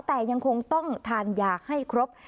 แต่ยังคงต้องทานยาให้ครบ